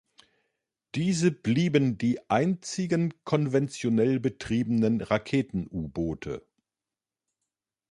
Diese blieben die einzigen konventionell betriebenen Raketen-U-Boote.